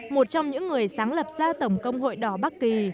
một trong những người sáng lập ra tổng công hội đỏ bắc kỳ